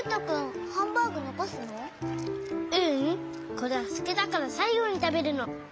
これはすきだからさいごにたべるの。